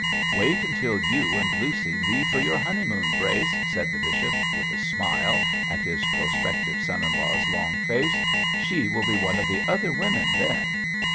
'Wait until you and Lucy leave for your honeymoon, Brace,' said the bishop, with a smile at his prospective son in law's long face. 'She will be one of the other women then.'